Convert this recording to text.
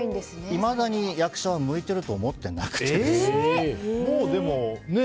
いまだに役者は向いていると思ってなくてですね。